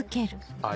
はい。